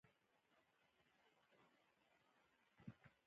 بیرته کابل ته تللي وای.